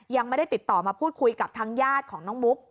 ยังไม่ได้ติดต่อมาพูดคุยกับทางญาติของน้องมุก